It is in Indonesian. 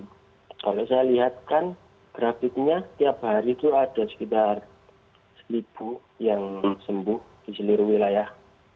kalau saya lihat kan grafiknya tiap hari itu ada sekitar seribu yang sembuh di seluruh wilayah